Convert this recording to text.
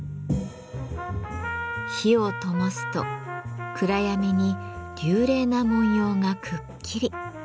火をともすと暗闇に流麗な文様がくっきり。